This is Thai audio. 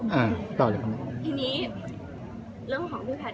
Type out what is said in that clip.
ได้คานน้อง